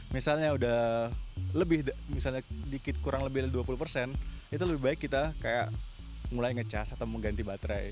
misalnya sudah kurang lebih dari dua puluh persen itu lebih baik kita mulai ngecas atau mengganti baterai